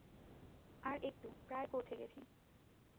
আর একটু, প্রায় পৌঁছে গেছি।